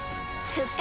復活！